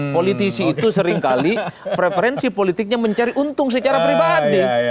politisi itu seringkali preferensi politiknya mencari untung secara pribadi